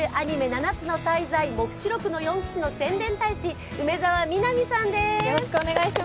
「七つの大罪黙示録の四騎士」の宣伝大使・梅澤美波さんです。